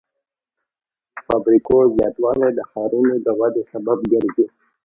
د فابریکو زیاتوالی د ښارونو د ودې سبب ګرځي.